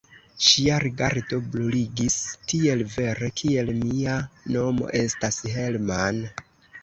Ŝia rigardo bruligis, tiel vere, kiel mia nomo estas Hermann.